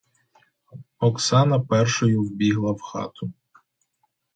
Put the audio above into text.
Оксана першою вбігла в хату.